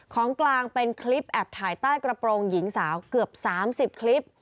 ของกลางเป็นคลิปแอบถ่ายใต้กระโปรงหญิงสาวเกือบ๓๐คลิป